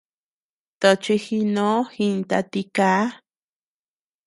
Toch jinoo, jinta tikaa.